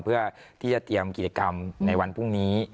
เพื่อที่จะเตรียมกิจกรรมในวันพรุ่งนี้